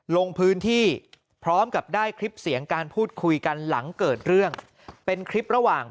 ลงพื้นที่พร้อมกับได้คลิปเสียงการพูดคุยกันหลังเกิดเรื่องเป็นคลิประหว่าง